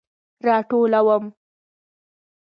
راټولوم